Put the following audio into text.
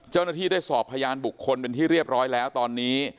เจ้าหน้าที่ได้สอบพยานบุคคลเป็นที่เรียบร้อยแล้วตอนนี้